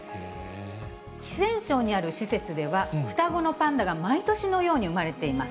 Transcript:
四川省にある施設では、双子のパンダが毎年のように産まれています。